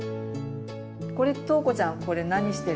これとうこちゃんこれ何してるの？